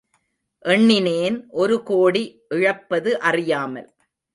எண்ணினேன் ஒரு கோடி, இழப்பது அறியாமல்.